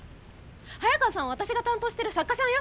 早川さんは私が担当してる作家さんよ？